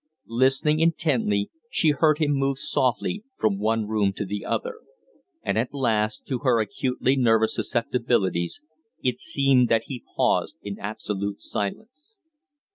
Listening intently, she heard him move softly from one room to the other. And at last, to her acutely nervous susceptibilities, it seemed that he paused in absolute silence.